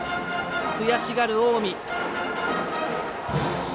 悔しがる、近江。